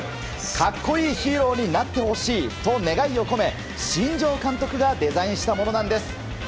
格好いいヒーローになってほしいと願いを込め、新庄監督がデザインしたものなんです。